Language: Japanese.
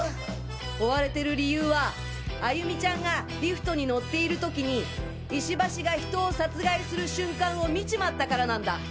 追われてる理由は歩美ちゃんがリフトに乗っている時に石橋が人を殺害する瞬間を見ちまったからなんだ。